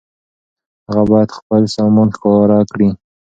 هغه بايد خپل سامان ښکاره کړي.